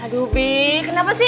haduh bi kenapa sih